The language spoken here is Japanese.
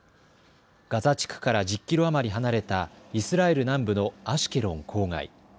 ガザ地区から１０キロ余り離れたイスラエル南部のアシュケロン郊外。